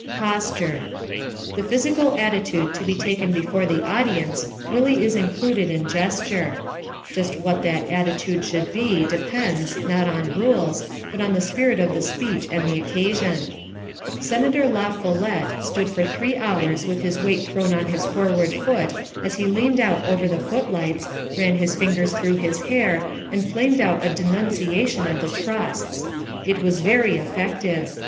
Posture The physical attitude to be taken before the audience really is included in gesture. Just what that attitude should be depends, not on rules, but on the spirit of the speech and the occasion. Senator La Follette stood for three hours with his weight thrown on his forward foot as he leaned out over the footlights, ran his fingers through his hair, and flamed out a denunciation of the trusts. It was very effective.